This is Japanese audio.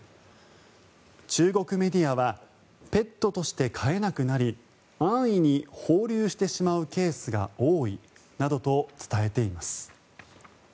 中国メディアはペットとして飼えなくなり安易に放流してしまうケースが多いなどと伝えています。